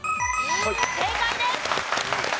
正解です。